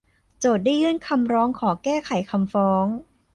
โจทก์ได้ยื่นคำร้องขอแก้ไขคำฟ้อง